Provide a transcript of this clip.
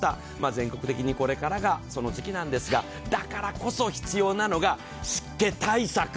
全国的にこれからがその時期なんですが、だからこそ必要なのが湿気対策！